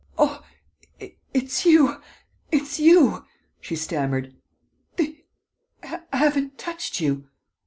"Ah, it's you, it's you!" she stammered. "They haven't touched you!"